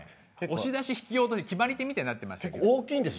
押し出し、引き落とし決まり手みたいになってる。